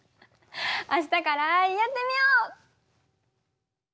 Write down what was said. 明日からやってみよう！